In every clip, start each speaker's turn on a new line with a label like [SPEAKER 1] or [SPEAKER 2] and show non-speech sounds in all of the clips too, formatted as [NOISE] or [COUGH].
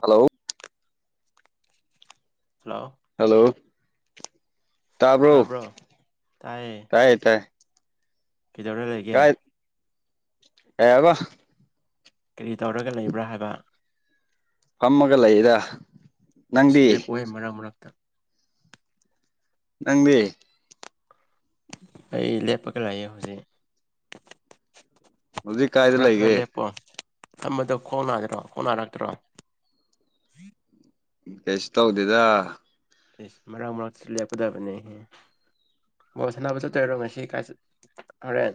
[SPEAKER 1] hello
[SPEAKER 2] hello
[SPEAKER 1] hello ꯇꯥꯕ꯭ꯔꯣ ꯇꯥꯏꯌꯦ ꯇꯥꯏꯌꯦ
[SPEAKER 2] ꯀꯩꯗꯧꯔ ꯂꯩꯒꯦ
[SPEAKER 1] ꯀꯩꯍꯥꯏꯕ
[SPEAKER 2] ꯀꯔꯤ ꯇꯧꯔꯒ ꯂꯩꯕ꯭ꯔꯥ ꯍꯥꯏꯕ
[SPEAKER 1] ꯐꯝꯃꯒꯂꯩꯌ‌ꯦꯗ
[SPEAKER 2] ꯑꯁ ꯂꯦꯞꯄꯣꯍꯦ ꯃꯔꯛ ꯃꯔꯛꯇ
[SPEAKER 1] ꯅꯪꯗꯤ
[SPEAKER 2] ꯑꯩ ꯂꯦꯞꯄꯒ ꯂꯥꯛꯑꯦ ꯍꯧꯖꯤꯛ
[SPEAKER 1] ꯍꯧꯖꯤꯛ ꯀꯥꯏꯗ
[SPEAKER 2] ꯈꯔ ꯈꯔ
[SPEAKER 1] ꯂꯩꯒꯦ
[SPEAKER 2] ꯂꯦꯞ ꯄꯣ ꯐꯝꯕꯗꯣ ꯈꯣꯡꯅꯗ꯭ꯔꯣ ꯈꯣꯡꯅꯔꯛꯇ꯭ꯔꯣ
[SPEAKER 1] ꯀꯩꯁꯨ ꯇꯧꯗꯦꯗ
[SPEAKER 2] ꯏꯁ ꯃꯔꯥꯛ ꯃꯔꯥꯛꯇꯁꯨ ꯂꯦꯞꯀꯗꯕꯅꯦꯍꯦ ꯕꯣꯜ ꯁꯥꯟꯅꯕ ꯆꯠꯇꯣꯏꯔꯣ ꯉꯁꯤ ꯀꯥꯏ ꯍꯣꯔꯦꯟ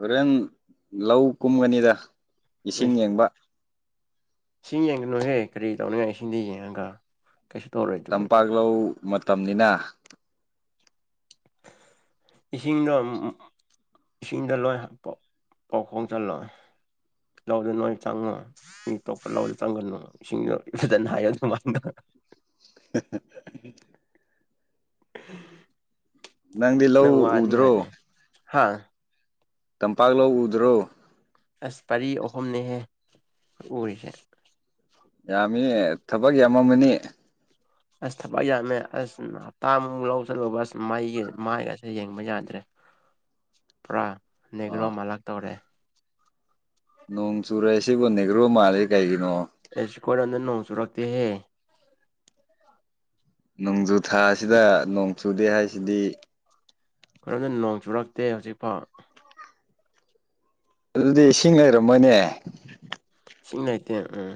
[SPEAKER 1] ꯍꯣꯔꯦꯟ ꯂꯧ ꯀꯨꯝꯒꯅꯤꯗ ꯏꯁꯤꯡ
[SPEAKER 2] ꯏꯁ
[SPEAKER 1] ꯌꯦꯡꯕ
[SPEAKER 2] ꯏꯁꯤꯡ ꯌꯦꯡꯒꯅꯨꯍꯦ ꯀꯔꯤ ꯇꯧꯅꯤꯡꯉꯥꯏ ꯏꯁꯤꯡꯗꯤ ꯌꯦꯡꯉꯒ ꯀꯩꯁꯨ ꯇꯧꯔꯣꯏ ꯑꯗꯨ
[SPEAKER 1] ꯇꯝꯄꯥꯛ ꯂꯧ ꯃꯇꯝꯅꯤꯅ
[SPEAKER 2] ꯏꯁꯤꯡꯗꯣ ꯎꯝ ꯎꯝ ꯏꯁꯤꯡꯗ ꯂꯣꯏ ꯍꯥ ꯄꯥꯎ ꯄꯥꯎꯈꯣꯡ ꯆꯜꯂꯣꯏ ꯂꯧꯗ ꯅꯣꯏ ꯆꯪꯉꯣꯏ ꯃꯤꯇꯣꯞꯄ ꯂꯧꯗ ꯆꯪꯒꯅꯨ ꯏꯁꯤꯡꯗꯣ ꯐꯖꯅ ꯍꯥꯏꯌꯣ ꯑꯗꯨꯃꯥꯏꯅ
[SPEAKER 1] [UNINTELLIGIBLE] ꯅꯪꯗꯤ
[SPEAKER 2] ꯅꯪ
[SPEAKER 1] ꯂꯧ
[SPEAKER 2] ꯋꯥꯅꯤꯉꯥꯏꯅꯦ
[SPEAKER 1] ꯎꯗ꯭ꯔꯣ
[SPEAKER 2] ꯍꯥ
[SPEAKER 1] ꯇꯝꯄꯥꯛ ꯂꯧ ꯎꯗ꯭ꯔꯣ
[SPEAKER 2] ꯑꯁ ꯄꯔꯤ ꯑꯍꯨꯝꯅꯦꯍꯦ ꯎꯔꯤꯁꯦ
[SPEAKER 1] ꯌꯥꯝꯃꯤꯍꯦ ꯊꯕꯛ ꯌꯥꯝꯃꯝꯃꯅꯤ
[SPEAKER 2] ꯑꯁ ꯊꯕꯛ ꯌꯥꯝꯃꯦ ꯑꯁ ꯎꯝ ꯍꯞꯇꯥꯃꯨꯛ ꯂꯧ ꯆꯠꯂꯨꯕ ꯑꯁ ꯃꯩꯒꯤ ꯃꯥꯏꯒꯥꯁꯦ ꯌꯦꯡꯕ ꯌꯥꯗ꯭ꯔꯦ
[SPEAKER 1] [INAUDIBLE]
[SPEAKER 2] ꯄꯨꯔꯥ ꯅꯦꯒ꯭ꯔꯣ
[SPEAKER 1] ꯑꯥ
[SPEAKER 2] ꯃꯥꯜꯂꯛꯇꯧꯔꯦ
[SPEAKER 1] ꯅꯣꯡ ꯆꯨꯔꯛꯏꯁꯤꯕꯨ ꯅꯦꯒ꯭ꯔꯣ ꯃꯥꯜꯂꯤ ꯀꯩꯒꯤꯅꯣ
[SPEAKER 2] ꯑꯦꯁꯤꯈꯣꯏꯔꯣꯝꯗ ꯅꯣꯡ ꯆꯨꯔꯛꯇꯦꯍꯦ
[SPEAKER 1] ꯅꯣꯡꯖꯨ ꯊꯥꯁꯤꯗ ꯅꯣꯡ ꯆꯨꯗꯦ ꯍꯥꯏꯁꯤꯗꯤ
[SPEAKER 2] ꯈꯣꯏꯔꯣꯝꯗ ꯅꯣꯡ ꯆꯨꯔꯛꯇꯦ ꯍꯧꯖꯤꯛꯐꯥꯎ
[SPEAKER 1] ꯑꯗꯨꯗꯤ ꯏꯁꯤꯡ ꯂꯩꯔꯝꯃꯣꯏꯅꯦ
[SPEAKER 2] ꯏꯁꯤꯡ ꯂꯩꯇꯦ ꯎꯝ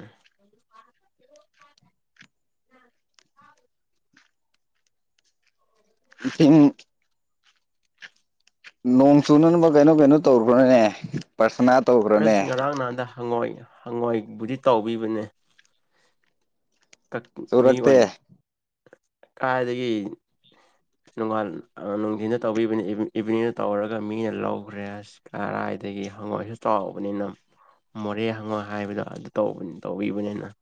[SPEAKER 2] ꯍꯥ
[SPEAKER 1] ꯏꯁꯤꯡ ꯅꯣꯡ ꯆꯨꯅꯅꯕ ꯀꯩꯅꯣ ꯀꯩꯅꯣ ꯇꯧꯔꯨꯕ꯭ꯔꯥꯅꯦ ꯄꯔꯊꯥꯅꯥ ꯇꯧꯕ꯭ꯔꯥꯅꯦ
[SPEAKER 2] ꯑꯁ ꯉꯔꯥꯡ ꯅꯍꯥꯟꯗ ꯍꯪꯉꯣꯏ ꯍꯪꯉꯣꯏ ꯕꯨꯗꯤ ꯇꯧꯕꯤꯕꯅꯦ ꯀꯛ ꯃꯤ ꯑꯣꯏ
[SPEAKER 1] ꯆꯨꯔꯛꯇꯦ
[SPEAKER 2] ꯀꯥꯏꯗꯒꯤ ꯅꯣꯡꯉꯥꯜ ꯑꯥ ꯅꯨꯡꯊꯤꯟꯗ ꯇꯧꯕꯤꯕꯅꯤ ꯏꯚꯤ ꯏꯚꯤꯅꯤꯡꯗ ꯇꯧꯔꯒ ꯃꯤꯅ ꯂꯧꯈ꯭ꯔꯦ ꯑꯁ ꯀꯔꯥꯏꯗꯒꯤ ꯍꯪꯉꯣꯏꯁꯨ ꯆꯥꯎꯕꯅꯤꯅꯝ ꯃꯣꯔꯦ ꯍꯪꯉꯣꯏ ꯍꯥꯏꯕꯗꯣ ꯑꯗꯨ ꯇꯧꯕ ꯇꯧꯕꯤꯕꯅꯤꯅ [INAUDIBLE]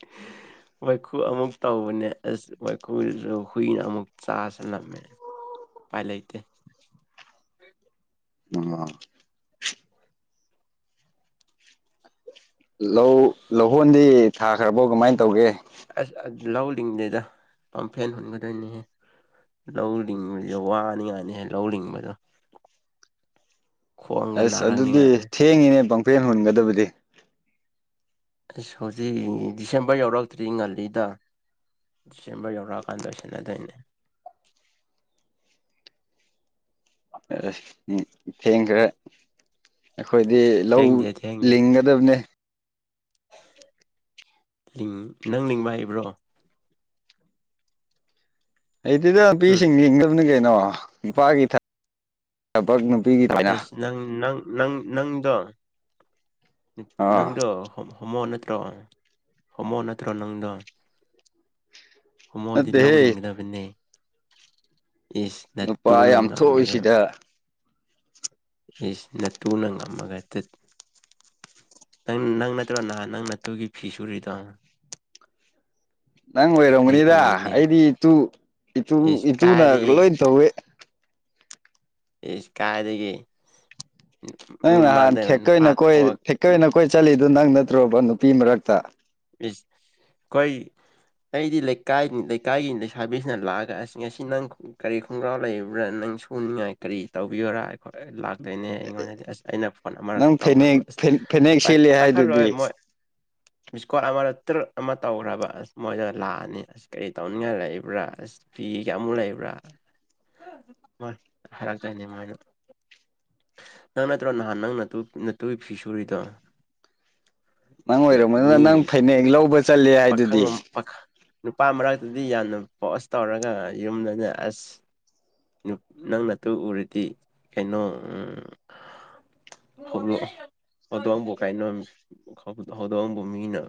[SPEAKER 1] [INAUDIBLE]
[SPEAKER 2] ꯋꯥꯏꯈꯨ ꯑꯃꯨꯛ ꯇꯧꯕꯅꯦ ꯑꯁ ꯋꯥꯏꯈꯨꯗꯨꯁꯨ ꯍꯨꯏꯅ ꯑꯃꯨꯛ ꯆꯥꯁꯜꯂꯝꯃꯦ ꯎꯄꯥꯏ ꯂꯩꯇꯦ
[SPEAKER 1] [UNINTELLIGIBLE] ꯂꯧ ꯂꯧꯍꯣꯟꯗꯤ ꯊꯥꯈ꯭ꯔꯥꯕꯣ ꯀꯃꯥꯏꯅ ꯇꯧꯒꯦ
[SPEAKER 2] ꯑꯁ ꯑ ꯂꯧ ꯂꯤꯡꯗꯦꯗ ꯄꯥꯝꯐꯦꯟ ꯍꯨꯟꯒꯗꯣꯏꯅꯤꯍꯦ ꯂꯧ ꯂꯤꯡꯕꯁꯤꯗ ꯋꯥꯅꯤꯉꯥꯏꯅꯤꯍꯦ ꯂꯧ ꯂꯤꯡꯕꯗꯣ ꯈꯣꯡꯒ
[SPEAKER 1] ꯑꯁ ꯑꯗꯨꯗꯤ
[SPEAKER 2] ꯅꯥꯔꯛꯅꯤꯉꯥꯏꯅꯦ
[SPEAKER 1] ꯊꯦꯡꯉꯤꯅꯦ ꯄꯪꯐꯦꯟ ꯍꯨꯟꯒꯗꯕꯗꯤ
[SPEAKER 2] ꯑꯁ ꯍꯧꯖꯤꯛ ꯗꯤꯁꯦꯝꯕꯔ ꯌꯧꯔꯛꯇ꯭ꯔꯤ ꯉꯜꯂꯤꯗ ꯗꯤꯁꯦꯝꯕꯔ ꯌꯧꯔꯛꯑꯀꯥꯟ ꯂꯣꯏꯁꯟꯅꯗꯣꯏꯅꯦ
[SPEAKER 1] [UNINTELLIGIBLE] ꯊꯦꯡꯈ꯭ꯔꯦ ꯑꯩꯈꯣꯏꯗꯤ ꯂꯧ
[SPEAKER 2] ꯊꯦꯡꯗꯦ ꯊꯦꯡꯗꯦ
[SPEAKER 1] ꯂꯤꯡꯒ ꯗꯕꯅꯦ
[SPEAKER 2] ꯍꯤꯡ ꯅꯪ ꯂꯤꯡꯕ ꯍꯩꯕ꯭ꯔꯣ
[SPEAKER 1] ꯍꯩꯇꯦꯗ
[SPEAKER 2] ꯍꯨꯝ
[SPEAKER 1] ꯅꯨꯄꯤꯁꯤꯡ ꯂꯤꯡꯒꯗꯕꯅꯤ ꯀꯩꯅꯣ ꯅꯨꯄꯥꯒꯤ ꯊ ꯕꯛ ꯅꯨꯄꯤꯒꯤ
[SPEAKER 2] ꯑꯁ
[SPEAKER 1] [UNINTELLIGIBLE]
[SPEAKER 2] ꯅꯪ ꯅꯪ ꯅꯪ ꯅꯪꯗꯣ ꯅꯨꯞ
[SPEAKER 1] ꯑꯥ
[SPEAKER 2] ꯅꯪꯗꯣ ꯍꯣꯝ ꯍꯣꯝꯃꯣ ꯅꯠꯇ꯭ꯔꯣ ꯍꯣꯝꯃꯣ ꯅꯠꯇ꯭ꯔꯣ ꯅꯪꯗꯣ ꯍꯣꯃꯣꯗꯤ ꯂꯧ
[SPEAKER 1] ꯅꯠꯇꯦꯍꯦ
[SPEAKER 2] ꯂꯤꯡꯒꯗꯕꯅꯦ ꯏꯁ
[SPEAKER 1] ꯅꯨꯄꯥ
[SPEAKER 2] ꯅꯇꯨꯅ
[SPEAKER 1] ꯌꯥꯝ
[SPEAKER 2] ꯉꯝꯃꯒ
[SPEAKER 1] ꯊꯣꯛꯏꯁꯤꯗ
[SPEAKER 2] ꯏꯁ ꯅꯇꯨꯅ ꯉꯝꯃꯒ ꯇꯨꯠ ꯅꯪ ꯅꯪ ꯅꯠꯇ꯭ꯔꯣ ꯅꯍꯥꯟ ꯅꯪ ꯅꯠꯇꯨꯒꯤ ꯐꯤ ꯁꯨꯔꯤꯗꯣ
[SPEAKER 1] ꯅꯪ
[SPEAKER 2] ꯑꯩ
[SPEAKER 1] ꯑꯣꯏꯔꯝꯒꯅꯤꯗ
[SPEAKER 2] ꯎꯏꯅꯦ
[SPEAKER 1] ꯑꯩꯗꯤ ꯏꯇꯨ ꯏꯇꯨ
[SPEAKER 2] ꯏꯁ
[SPEAKER 1] ꯏꯇꯨꯅ
[SPEAKER 2] ꯀꯥꯏꯗꯒꯤ
[SPEAKER 1] ꯂꯣꯏ ꯇꯧꯋꯦ
[SPEAKER 2] ꯢꯁ ꯀꯥꯏꯗꯒꯤ ꯃꯤ
[SPEAKER 1] ꯅꯪ
[SPEAKER 2] ꯃꯃꯥꯟꯗ ꯅꯨꯄꯥ ꯊꯣꯛꯑꯒ
[SPEAKER 1] ꯀꯣꯏ ꯆꯠꯂꯤꯗꯣ ꯅꯪ ꯅꯠꯇ꯭ꯔꯣꯕ ꯅꯨꯄꯤ ꯃꯔꯛꯇ
[SPEAKER 2] ꯢꯁ ꯀꯣꯏ ꯑꯩꯗꯤ ꯂꯩꯀꯥꯏ ꯂꯩꯀꯥꯏꯒꯤ ꯂꯩꯁꯥꯕꯤꯁꯤꯅ ꯂꯥꯛꯑꯒ ꯉꯁꯤ ꯅꯪ ꯀꯔꯤ ꯈꯣꯡꯒ꯭ꯔꯥꯎ ꯂꯩꯕ꯭ꯔꯥ ꯅꯪ ꯁꯨꯅꯤꯡꯉꯥꯏ ꯀꯔꯤ ꯇꯧꯕꯤꯌꯣꯔꯥ ꯑꯩꯈꯣꯏ ꯂꯥꯛ ꯇꯣꯏꯅꯦ ꯑꯩꯉꯣꯟꯗꯗꯤ ꯑꯁ ꯑꯩꯅ ꯐꯣꯟ ꯑꯃꯔꯛ
[SPEAKER 1] ꯅꯪ ꯐꯅꯦꯛ
[SPEAKER 2] ꯇꯧꯔꯕ ꯑꯁ
[SPEAKER 1] ꯐꯅꯦꯛ ꯁꯦꯠꯂꯦ ꯍꯥꯏꯗꯨꯗꯤ
[SPEAKER 2] ꯄꯥꯏꯈꯠꯂꯣꯏ ꯃꯣꯏ ꯃꯤꯁꯀꯣꯠ ꯑꯃꯗ ꯇ꯭ꯔꯨꯠ ꯑꯃ ꯇꯧꯈ꯭ꯔꯕ ꯑꯁ ꯃꯣꯏꯗ ꯂꯥꯛꯑꯅꯤ ꯑꯁ ꯀꯔꯤ ꯇꯧꯅꯤꯡꯉꯥꯏ ꯂꯩꯏꯕ꯭ꯔꯥ ꯑꯁ ꯐꯤ ꯀꯥꯌꯥꯃꯨꯛ ꯂꯩꯕ꯭ꯔꯥ ꯍꯥꯏꯔꯛꯇꯣꯏꯅꯤ ꯃꯣꯏꯅ ꯅꯪ ꯅꯠꯇ꯭ꯔꯣ ꯅꯍꯥꯟ ꯅꯪ ꯅꯇꯨ ꯅꯇꯨꯒꯤ ꯐꯤ ꯁꯨꯔꯤꯗꯣ
[SPEAKER 1] ꯅꯪ ꯑꯣꯏꯔꯝꯒꯅꯤ
[SPEAKER 2] ꯃꯤ
[SPEAKER 1] ꯅꯪ ꯐꯅꯦꯛ ꯂꯧꯕ ꯆꯠꯂꯦ ꯍꯥꯏꯗꯨꯗꯤ
[SPEAKER 2] ꯄꯥꯈꯪ ꯄꯥꯈꯪ ꯅꯨꯄꯥ ꯃꯔꯛꯇꯗꯤ ꯌꯥꯝꯅ ꯄꯣꯁ ꯇꯧꯔꯒ ꯌꯨꯝꯗꯅ ꯑꯁ ꯅꯪ ꯅꯥꯇꯨ ꯎꯔꯗꯤ ꯀꯩꯅꯣ ꯎꯝ [UNINTELLIGIBLE] ꯂꯗꯣꯝꯕꯨ ꯃꯤꯅ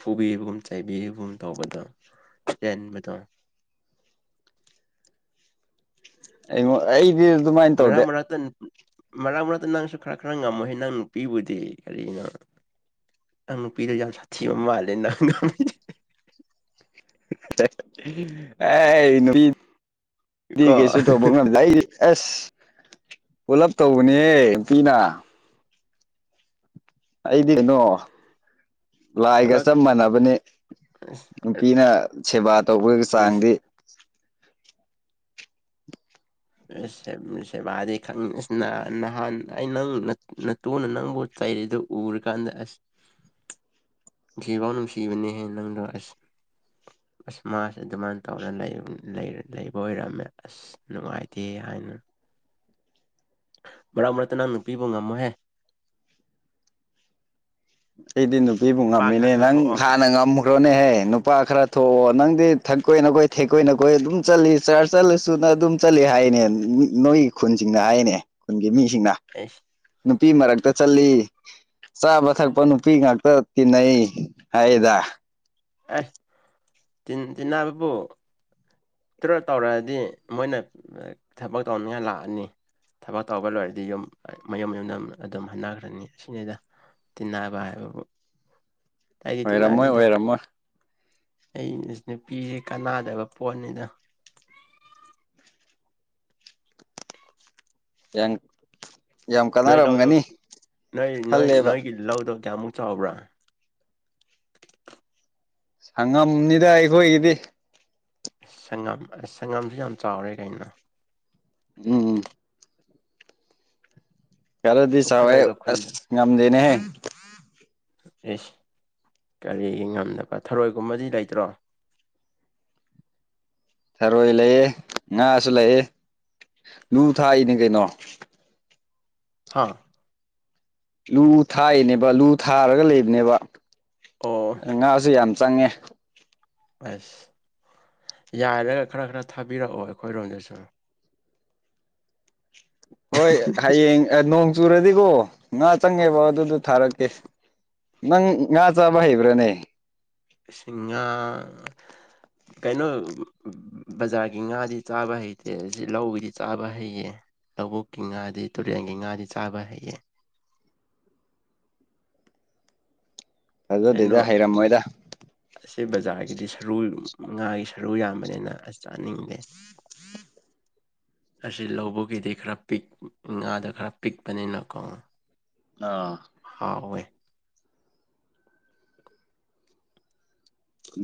[SPEAKER 2] ꯐꯨꯕꯤꯒꯨꯝ ꯆꯩꯥꯕꯤꯒꯨꯝ ꯇꯧꯕꯗꯣ ꯆꯦꯟꯕꯗꯣ
[SPEAKER 1] ꯑꯩꯉꯣꯟ ꯑꯩꯗꯤ ꯑꯗꯨꯃꯥꯏ
[SPEAKER 2] ꯃꯔꯛ ꯃꯔꯛꯇ ꯃꯔꯛ ꯃꯔꯛꯇ ꯅꯪꯁꯨ ꯈꯔ ꯈꯔ ꯉꯝꯃꯣꯍꯦ ꯅꯪ ꯅꯨꯄꯤꯕꯨꯗꯤ ꯀꯔꯤꯅꯣ ꯅꯪ ꯅꯨꯄꯤꯗꯣ ꯌꯥꯝ ꯁꯥꯊꯤꯕ ꯃꯥꯜꯂꯦ ꯅꯪ ꯉꯝꯃꯤꯗꯣ
[SPEAKER 1] [UNINTELLIGIBLE] ꯑꯦ ꯅꯨꯄꯤꯗꯤ
[SPEAKER 2] ꯀꯣ
[SPEAKER 1] ꯀꯩꯁꯨ ꯇꯧꯕ ꯉꯝꯗꯦ ꯑꯩꯗꯤ ꯑꯁ ꯄꯨꯂꯞ ꯇꯧꯕꯅꯦꯍꯦ ꯅꯨꯄꯤꯅ ꯑꯩꯗꯤ ꯀꯩꯅꯣ ꯂꯥꯏꯒ
[SPEAKER 2] ꯄꯨꯂꯞ
[SPEAKER 1] ꯆꯞ ꯃꯥꯟꯅꯕꯅꯤ ꯅꯨꯄꯤꯅ ꯁꯦꯕꯥ ꯇꯧꯕꯒꯤ ꯆꯥꯡꯗꯤ
[SPEAKER 2] ꯁꯦꯕꯥꯗꯤ ꯈꯪ ꯅꯍꯥꯟ ꯑꯩ ꯅꯪ ꯇꯨꯅ ꯅꯪꯕꯨ ꯆꯩꯔꯤꯗꯨ ꯎꯔꯀꯥꯟꯗ ꯑꯁ
[SPEAKER 1] [INAUDIBLE]
[SPEAKER 2] ꯅꯨꯡꯁꯤꯕꯥꯎ ꯅꯨꯡꯁꯤꯕꯅꯦꯍꯦ ꯅꯪꯗꯣ ꯑꯁ ꯑꯁ ꯃꯥꯁꯦ ꯑꯗꯨꯃꯥꯏꯅ ꯇꯧꯔ ꯂꯩ ꯂꯩꯔꯥ ꯂꯩꯕ ꯑꯣꯏꯔꯝꯃꯦ ꯑꯁ ꯅꯨꯡꯉꯥꯏ ꯇꯦ ꯍꯥꯏꯅ ꯃꯔꯛ ꯃꯔꯛꯇ ꯅꯪ ꯅꯨꯄꯤꯕꯨ ꯉꯝꯃꯣꯍꯦ
[SPEAKER 1] ꯑꯩꯗꯤ ꯅꯨꯄꯤꯕꯨ
[SPEAKER 2] ꯅꯨꯄꯥ ꯈꯔ
[SPEAKER 1] ꯉꯝꯃꯤꯅꯦ
[SPEAKER 2] ꯈꯔ
[SPEAKER 1] ꯅꯪ
[SPEAKER 2] ꯊꯣꯛꯑꯣ
[SPEAKER 1] ꯍꯥꯟꯅ ꯉꯝ ꯈ꯭ꯔꯣꯅꯦꯍꯦ ꯅꯨꯄꯥ ꯈꯔ ꯊꯣꯛꯑꯣ ꯅꯪꯗꯤ ꯊꯛꯀꯣꯏꯅꯈꯣꯏ ꯊꯦꯛꯀꯣꯏꯅꯈꯣꯏ ꯑꯗꯨꯝ ꯆꯠꯂꯤ ꯆꯔꯁ ꯆꯠꯂꯁꯨ ꯅꯪ ꯑꯗꯨꯝ ꯆꯠꯂꯤ ꯍꯥꯏꯅꯦ ꯅꯣꯏꯒꯤ ꯈꯨꯟꯁꯤꯡꯅ ꯍꯥꯏꯅꯦ ꯈꯨꯟꯒꯤ ꯃꯤꯁꯤꯡꯅ
[SPEAKER 2] ꯑꯦꯁ
[SPEAKER 1] ꯅꯨꯄꯤ ꯃꯔꯛꯇ ꯆꯠꯂꯤ ꯆꯥꯕ ꯊꯛꯄ ꯅꯨ ꯅꯨꯄꯤ ꯉꯥꯛꯇ ꯇꯤꯟꯅꯩ ꯍꯥꯏꯗ
[SPEAKER 2] ꯑꯦ ꯇꯤꯟ ꯇꯤꯟꯅꯕꯕꯨ ꯇꯔ ꯇꯧꯔꯛꯑꯗꯤ ꯃꯣꯏꯅ ꯊꯕꯛ ꯇꯧꯅꯤꯡꯉꯥꯏ ꯂꯥꯛꯑꯅꯤ ꯊꯕꯛ ꯇꯧꯕ ꯂꯣꯏꯔꯗꯤ ꯌꯨꯝ ꯃꯌꯨꯝ ꯃꯌꯨꯝꯗ ꯑꯗꯨꯝ ꯍꯟꯅꯈ꯭ꯔꯅꯤ ꯑꯁꯤꯅꯤꯗ ꯇꯤꯟꯅꯕ ꯍꯥꯏꯕꯕꯨ ꯑꯩꯗꯤ
[SPEAKER 1] ꯑꯣꯏꯔꯝꯃꯣꯏ
[SPEAKER 2] ꯇꯤꯟꯅꯗꯦꯗ
[SPEAKER 1] ꯑꯣꯏꯔꯝꯃꯣꯏ
[SPEAKER 2] ꯑꯩ ꯅꯨꯄꯤꯁꯦ ꯀꯥꯟꯅꯗꯕ ꯄꯣꯠꯅꯤꯅ [UNINTELLIGIBLE]
[SPEAKER 1] ꯌꯥꯡ
[SPEAKER 2] ꯅꯣꯏ ꯂꯧꯗꯣ ꯅꯣꯏ ꯅꯣꯏ
[SPEAKER 1] ꯈꯜꯂꯦꯕ
[SPEAKER 2] ꯅꯣꯏꯒꯤ ꯂꯧꯗꯣ ꯀꯌꯥꯃꯨꯛ ꯆꯥꯎꯕ꯭ꯔꯥ
[SPEAKER 1] ꯁꯪꯉꯝꯅꯤꯗ ꯑꯩꯈꯣꯏꯒꯤꯗꯤ
[SPEAKER 2] ꯁꯪꯉꯝ ꯁꯪꯉꯝꯁꯦ ꯌꯥꯝ ꯆꯥꯎꯔꯦ ꯀꯩꯅꯣ
[SPEAKER 1] ꯎꯝ ꯎꯝ ꯈꯔꯗꯤ ꯆꯥꯎꯋꯦꯍꯦ
[SPEAKER 2] ꯊꯔꯣꯏꯒ ꯈꯨꯟꯗ
[SPEAKER 1] ꯑꯁ ꯉꯝꯗꯦꯅꯦꯍꯦ
[SPEAKER 2] ꯑꯦꯁ ꯀꯔꯤꯒꯤ ꯉꯝꯗꯥꯕ ꯊꯔꯣꯏꯒꯨꯝꯕꯗꯤ ꯂꯩꯇ꯭ꯔꯣ
[SPEAKER 1] ꯊꯔꯣꯏ ꯂꯩꯌꯦ ꯉꯥꯁꯨ ꯂꯩꯌꯦ ꯂꯨ ꯊꯥꯛꯏꯅꯦ ꯀꯩꯅꯣ
[SPEAKER 2] ꯍꯥꯥ
[SPEAKER 1] ꯂꯨ ꯊꯥꯏꯅꯦꯕ ꯂꯨ ꯊꯥꯔꯒ ꯂꯩꯕꯅꯦꯕ
[SPEAKER 2] ꯑꯣ
[SPEAKER 1] ꯉꯥꯁꯨ ꯌꯥꯝ ꯆꯪꯉꯦ
[SPEAKER 2] ꯑꯁ ꯌꯥꯏꯔꯒ ꯈꯔ ꯈꯔ ꯊꯥꯕꯤꯔꯛꯑꯣ ꯑꯩꯈꯣꯏꯔꯣꯝꯗꯁꯨ
[SPEAKER 1] ꯍꯣꯏ ꯍꯌꯦꯡ ꯅꯣꯡ ꯆꯨꯔꯗꯤꯀꯣ ꯉꯥ ꯆꯪꯉꯦꯕ ꯑꯗꯨꯗ ꯊꯥꯔꯛꯀꯦ ꯅꯪ ꯉꯥ ꯆꯥꯕ ꯍꯩꯕ꯭ꯔꯅꯦ
[SPEAKER 2] ꯏꯁ ꯉꯥ
[SPEAKER 1] [INAUDIBLE] [UNINTELLIGIBLE]
[SPEAKER 2] ꯀꯩꯅꯣ ꯕꯖꯥꯔꯒꯤ ꯉꯥꯗꯤ ꯆꯥꯕ ꯍꯩꯇꯦ ꯁꯤ ꯂꯧꯒꯤꯗꯤ ꯆꯥꯕ ꯍꯩꯌꯦ ꯂꯧꯕꯨꯛꯀꯤ ꯉꯥꯗꯤ ꯇꯨꯔꯦꯟꯒꯤ ꯉꯥꯗꯤ ꯆꯥꯕ ꯍꯩꯌꯦ
[SPEAKER 1] ꯐꯖꯗꯦꯗꯥ ꯍꯩꯔꯝꯃꯣꯏꯗ
[SPEAKER 2] ꯑꯁꯤꯁ ꯕꯖꯥꯔꯒꯤꯗꯤ ꯁꯔꯨ ꯉꯥꯒꯤ ꯁꯔꯨ ꯌꯥꯝꯕꯅꯤꯅ ꯑꯁ ꯆꯥꯅꯤꯡꯗꯦ ꯑꯁꯤ ꯂꯧꯕꯨꯛꯒꯤꯗꯤ ꯈꯔ ꯄꯤꯛ ꯉꯥꯗꯣ ꯈꯔ ꯄꯤꯛꯄꯅꯤꯅꯀꯣ
[SPEAKER 1] ꯑꯥ
[SPEAKER 2] ꯍꯥꯎꯏ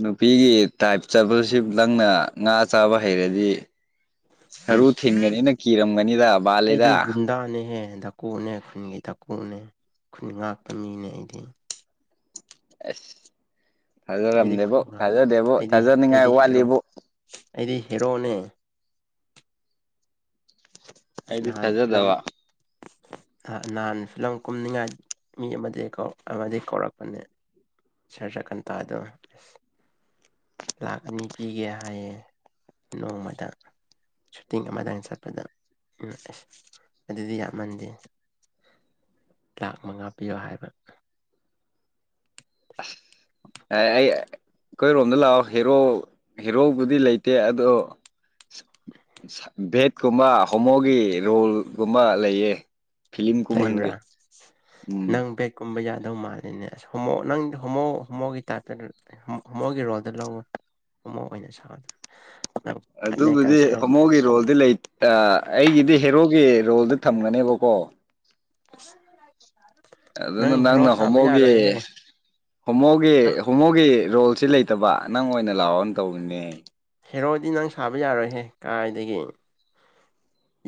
[SPEAKER 1] ꯅꯨꯄꯤꯒꯤ ꯇꯥꯏꯞ ꯆꯠꯄꯕꯁꯤ ꯅꯪꯅ ꯉꯥ ꯆꯥꯕ ꯍꯩꯔꯗꯤ ꯁꯔꯨ
[SPEAKER 2] ꯏꯁ
[SPEAKER 1] ꯊꯤꯟꯒꯅꯤ ꯅ ꯀꯤꯔꯝꯒꯅꯤꯗ
[SPEAKER 2] ꯑꯩꯗꯤ
[SPEAKER 1] ꯕꯥꯜꯂꯤꯗ
[SPEAKER 2] ꯒꯨꯟꯗꯥꯅꯦ ꯍꯦ ꯀꯣꯛꯅꯦ ꯈꯨꯟꯒꯤ ꯗꯥꯀꯨꯅꯦ ꯈꯨꯟ ꯉꯥꯛꯄ ꯃꯤꯅꯦ ꯑꯩꯗꯤ
[SPEAKER 1] ꯑꯁ
[SPEAKER 2] ꯑꯩꯗꯤ
[SPEAKER 1] ꯊꯥꯖꯔꯝꯗꯦꯕꯨ
[SPEAKER 2] ꯈꯨꯟ ꯉꯥꯛꯄ
[SPEAKER 1] ꯊꯥꯖꯗꯦꯕꯨ
[SPEAKER 2] ꯑꯩꯗꯤ
[SPEAKER 1] ꯊꯥꯖꯅꯤꯡꯉꯥꯏ
[SPEAKER 2] ꯑꯩꯗꯤ ꯍꯦꯔꯣ
[SPEAKER 1] ꯋꯥꯠꯂꯤꯕ
[SPEAKER 2] ꯑꯩꯗꯤ ꯍꯦꯔꯣꯅꯦ ꯑꯁ
[SPEAKER 1] ꯑꯩꯗꯤ
[SPEAKER 2] ꯅꯍꯥꯟ ꯐꯤꯂꯝ
[SPEAKER 1] ꯊꯥꯖꯗꯕ
[SPEAKER 2] ꯅꯍꯥꯟ ꯐꯤꯂꯝ ꯀꯨꯝꯅꯤꯡꯉꯥꯏ ꯃꯤ ꯑꯃꯗꯤꯀꯣ ꯑꯃꯗꯤ ꯀꯧꯔꯛꯄꯅꯦ ꯁꯥꯔ ꯖꯀꯟꯇꯥꯗꯣ ꯑꯁ ꯂꯛ ꯑꯥꯅꯤ ꯄꯤꯒꯦ ꯍꯌꯦ ꯅꯣꯡꯃꯗ ꯁꯨꯇꯤꯡ ꯑꯃꯗꯪ ꯆꯠꯄꯗ ꯎ ꯑꯁ ꯑꯗꯨꯗꯤ ꯌꯥꯝꯃꯟꯗꯦ ꯂꯥꯛ ꯃꯉꯥ ꯄꯤꯌꯣ ꯍꯥꯏꯕ [INAUDIBLE] [UNINTELLIGIBLE]
[SPEAKER 1] ꯑ ꯑꯩ ꯑꯩꯈꯣꯏꯔꯣꯝꯗ ꯂꯥꯛꯑꯣ ꯍꯦꯔꯣ ꯍꯦꯔꯣꯕꯨꯗꯤ ꯂꯩꯇꯦ ꯑꯗꯣ ꯚꯦꯠꯀꯨꯝꯕ ꯍꯣꯃꯣꯒꯤ ꯔꯣꯜꯒꯨꯝꯕ ꯂꯩꯌꯦ ꯐꯤꯂꯝ
[SPEAKER 2] ꯂꯩꯕ꯭ꯔꯥ
[SPEAKER 1] ꯀꯨꯝꯍꯟꯒꯦ ꯎꯝ
[SPEAKER 2] ꯅꯪ ꯕꯦꯠ ꯀꯨꯝꯕ ꯌꯥꯗꯧ ꯃꯥꯜꯂꯤꯅꯦ ꯑꯁ ꯍꯣꯃꯣ ꯅꯪꯗꯤ ꯍꯣꯃꯣ ꯍꯣꯃꯣꯒꯤ ꯇꯥꯏꯞꯇ ꯃꯣꯏꯒꯤ ꯔꯣꯜꯗ ꯂꯧꯑꯣ ꯍꯣꯃꯣ ꯑꯣꯏꯅ ꯁꯥꯗ ꯐꯅꯦꯛꯀ
[SPEAKER 1] ꯑꯗꯨꯕꯨꯗꯤ
[SPEAKER 2] ꯁꯦꯠ
[SPEAKER 1] ꯍꯣꯃꯣꯒꯤ ꯔꯣꯜꯗꯤ ꯂꯩꯇꯦ ꯑꯩꯒꯤꯗꯤ ꯍꯦꯔꯣꯒꯤ ꯔꯣꯜꯗ ꯊꯝꯒꯅꯦꯕꯀꯣ
[SPEAKER 2] [INAUDIBLE] [UNINTELLIGIBLE]
[SPEAKER 1] ꯑꯗꯨꯅ
[SPEAKER 2] ꯅꯪ ꯍꯦꯔꯣ
[SPEAKER 1] ꯅꯪꯅ
[SPEAKER 2] ꯁꯥꯕ
[SPEAKER 1] ꯍꯣꯃꯣꯒꯤ
[SPEAKER 2] ꯌꯥꯔꯣꯏꯍꯦ
[SPEAKER 1] ꯍꯣꯃꯣꯒꯤ
[SPEAKER 2] ꯅꯪ
[SPEAKER 1] ꯍꯣꯃꯣꯒꯤ ꯔꯣꯜꯁꯤ ꯂꯩ ꯂꯩꯇꯕ ꯅꯪ ꯑꯣꯏꯅ ꯂꯥꯛꯑꯣꯅ ꯇꯧꯕꯔꯤꯅꯦ
[SPEAKER 2] ꯍꯦꯔꯣꯗꯤ ꯅꯪ ꯁꯥꯕ ꯌꯥꯔꯣꯏꯍꯦ ꯀꯥꯏꯗꯒꯤ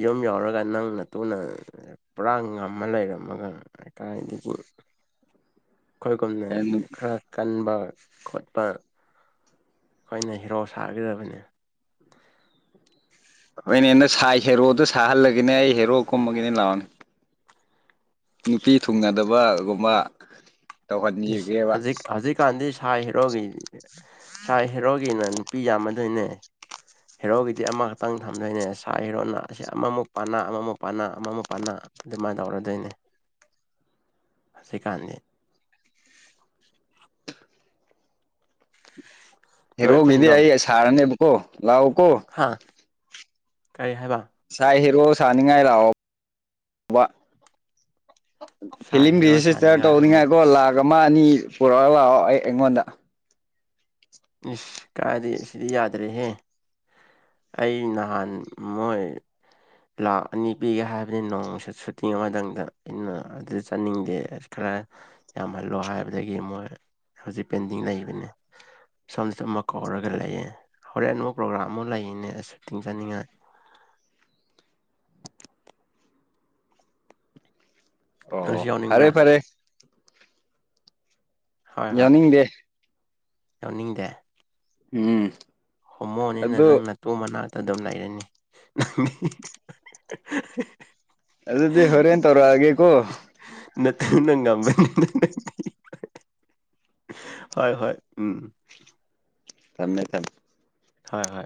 [SPEAKER 2] ꯌꯨꯝ ꯌꯥꯎꯔꯒ ꯅꯪꯅ ꯇꯨꯅ ꯄꯨꯔꯥ ꯉꯝꯃ ꯂꯩꯔꯝꯃꯒ ꯍꯥꯏ ꯀꯗꯒꯤ
[SPEAKER 1] [UNINTELLIGIBLE]
[SPEAKER 2] ꯑꯩꯈꯣꯏꯒꯨꯝꯅ ꯈꯔ ꯀꯟꯕ ꯈꯣꯠꯄ ꯑꯩꯈꯣꯏꯅ ꯍꯤꯔꯣ ꯁꯥꯒꯗꯕꯅꯤ
[SPEAKER 1] ꯍꯣꯏꯅꯦ ꯍꯟꯅ ꯁꯥꯏ ꯍꯦꯔꯣꯗ ꯁꯥꯍꯜꯂꯒꯅꯦ ꯑꯩ ꯍꯦꯔꯣ ꯀꯨꯝꯃꯒꯤꯅꯦ ꯂꯥꯛꯑꯣꯅꯦ ꯅꯨꯄꯤ ꯊꯨꯡꯅꯗꯕꯒꯨꯝꯕ
[SPEAKER 2] ꯏꯁ
[SPEAKER 1] ꯇꯧꯍꯟꯈꯤꯒꯦꯕ
[SPEAKER 2] ꯍꯧꯖꯤꯛ ꯍꯧꯖꯤꯛꯀꯥꯟꯗꯤ ꯁꯥ ꯍꯦꯔꯣꯒꯤ ꯁꯥꯥꯏ ꯍꯦꯔꯣꯒꯤꯅ ꯅꯨꯄꯤ ꯌꯥꯝꯃꯗꯣꯏꯅꯦ ꯍꯦꯔꯣꯒꯤꯗꯤ ꯑꯃꯈꯛꯇꯪ ꯊꯝꯗꯣꯏꯅꯦ ꯁꯥ ꯍꯦꯔꯣꯅ ꯑꯁꯤ ꯑꯃꯃꯨꯛ ꯄꯥꯅꯥ ꯑꯃꯃꯨꯛ ꯄꯥꯅꯥ ꯑꯃꯃꯨꯛ ꯄꯅꯥ ꯑꯗꯨꯃꯥꯏꯅ ꯇꯧꯔꯗꯣꯏꯅꯦ
[SPEAKER 1] [INAUDIBLE]
[SPEAKER 2] ꯍꯧꯖꯤꯛꯀꯥꯟꯗꯤ ꯅꯣꯏ
[SPEAKER 1] ꯍꯦꯔꯣꯒꯤꯗꯤ
[SPEAKER 2] ꯈꯨꯟꯗꯣ
[SPEAKER 1] ꯑꯩ ꯁꯥꯔꯅꯦꯕꯀꯣ ꯂꯥꯛꯑꯣ ꯀꯣ
[SPEAKER 2] ꯍꯥ ꯀꯔꯤ ꯍꯥꯏꯕ
[SPEAKER 1] ꯁꯥꯏ ꯍꯦꯔꯣ ꯁꯥꯅꯤꯡꯉꯥꯏ ꯂꯥꯛꯑꯣ
[SPEAKER 2] ꯁꯥ
[SPEAKER 1] ꯐꯤꯂꯝ
[SPEAKER 2] ꯍꯦꯔꯣ
[SPEAKER 1] ꯁꯤꯁꯇꯔ
[SPEAKER 2] ꯁꯥꯅꯤꯡꯉꯥꯏ ꯑꯃꯨꯛ
[SPEAKER 1] ꯇꯧꯅꯤꯡꯉꯥꯏꯀꯣ
[SPEAKER 2] ꯑꯁ
[SPEAKER 1] ꯂꯥꯛ ꯑꯃ ꯑꯅꯤ ꯄꯨꯔꯛꯒ ꯂꯥꯛꯑꯣ ꯑꯩ ꯑꯩꯉꯣꯟꯗ
[SPEAKER 2] ꯏꯁ ꯀꯥꯏꯗ ꯏꯁꯗꯤ ꯌꯥꯗꯔꯦꯍꯦ ꯑꯩ ꯅꯍꯥꯟ ꯃꯣꯏ ꯂꯥꯛ ꯑꯅꯤ ꯄꯤꯒꯦ ꯍꯥꯏꯕꯅꯤ ꯅꯣꯡ ꯁꯨꯇꯤꯡ ꯑꯃꯇꯪꯗ ꯑꯩꯅ ꯑꯗꯨ ꯆꯠꯅꯤꯡꯗꯦ ꯈꯔ ꯌꯥꯝꯍꯜꯂꯣ ꯍꯥꯏꯕꯗꯒꯤ ꯃꯣꯏ ꯍꯧꯖꯤꯛ ꯄꯦꯟꯗꯤꯡ ꯂꯩꯕꯅꯤ ꯁꯣꯝꯗꯁꯨ ꯑꯃ ꯀꯧꯔꯒ ꯂꯩꯌꯦ ꯍꯣꯔꯦꯟ ꯑꯃꯨꯛ ꯄ꯭ꯔꯣꯒ꯭ꯔꯥꯝ ꯑꯃ ꯂꯩꯅꯦ ꯑꯁꯨ ꯇꯤꯡꯖꯅꯤꯡꯉꯥꯏ
[SPEAKER 1] ꯑꯣ
[SPEAKER 2] ꯅꯪꯁꯨ ꯌꯥꯎꯅꯤꯡꯕ꯭ꯔꯥ
[SPEAKER 1] ꯐꯔꯦ ꯐꯔꯦ
[SPEAKER 2] ꯍꯣꯏ ꯍꯣꯏ
[SPEAKER 1] ꯌꯥꯎꯅꯤꯡꯗꯦ
[SPEAKER 2] ꯌꯥꯎꯅꯤꯡꯗꯦ
[SPEAKER 1] ꯎꯝ
[SPEAKER 2] ꯍꯣꯃ‌ꯣ ꯅꯤꯅ
[SPEAKER 1] ꯑꯗꯨ
[SPEAKER 2] ꯅꯪꯅ ꯇꯣ ꯃꯅꯥꯛꯇ ꯑꯗꯨꯝ ꯂꯩꯔꯅꯤ ꯅꯪ
[SPEAKER 1] ꯑꯗꯨꯗꯤ ꯍꯣꯔꯦꯟꯟ ꯇꯧꯔꯣꯑꯒꯦꯀꯣ
[SPEAKER 2] ꯅ ꯊꯤ ꯅꯪ ꯉꯝꯃꯦ ꯍꯣꯏ ꯍꯣꯏ ꯎꯝ
[SPEAKER 1] ꯊꯝꯃꯦ ꯊꯝꯃꯦ
[SPEAKER 2] ꯍꯣꯏ ꯍꯣꯏ